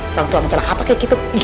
orang tua macam apa kayak gitu ih